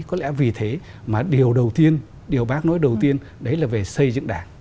có lẽ vì thế mà điều đầu tiên điều bác nói đầu tiên đấy là về xây dựng đảng